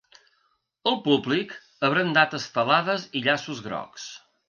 El públic ha brandat estelades i llaços grocs.